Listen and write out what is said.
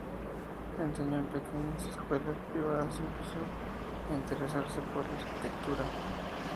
Enseñó en pequeñas escuelas privadas y empezó a interesarse por la arquitectura.